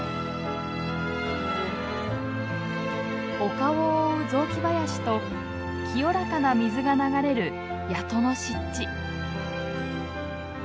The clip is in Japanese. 丘を覆う雑木林と清らかな水が流れる谷戸の湿地。